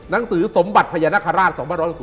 นังสือสมบัติพระยานคราช๒๐๑๕